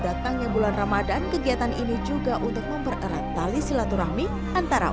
datangnya bulan ramadhan kegiatan ini juga untuk mempererat tali silaturahmi antara